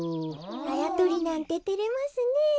あやとりなんててれますねえ。